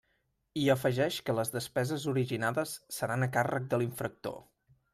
I afegeix que les despeses originades seran a càrrec de l'infractor.